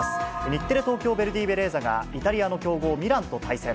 日テレ・東京ヴェルディベレーザがイタリアの強豪、ミランと対戦。